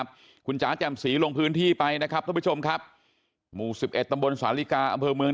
เพราะเขาถามเรื่องกะติกน้ำหนูก็ติกน้ำอยู่ร้านนั้นเอง